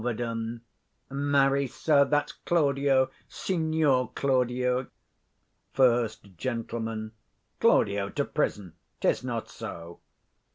_ Marry, sir, that's Claudio, Signior Claudio. First Gent. Claudio to prison? 'tis not so.